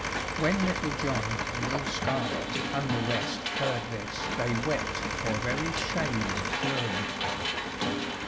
When Little John and Will Scarlett and the rest heard this they wept for very shame and fury.